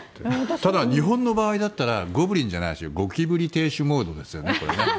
ただ、日本の場合だったらゴブリンじゃなくてゴキブリ亭主モードですよね。